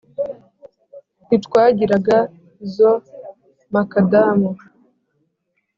Ntitwagiraga izo makadamu